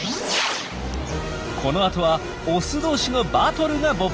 このあとはオス同士のバトルが勃発！